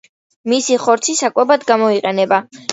მისი ხორცი საკვებად გამოიყენება.